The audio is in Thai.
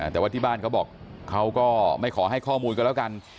แต่ว่าที่บ้านเขาบอกเขาก็ไม่ขอให้ข้อมูลกันแล้วกัน